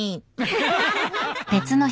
ハハハ。